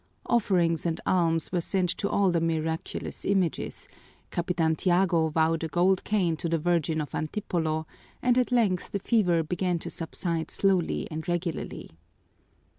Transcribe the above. Offerings and alms were sent to all the miraculous images, Capitan Tiago vowed a gold cane to the Virgin of Antipolo, and at length the fever began to subside slowly and regularly.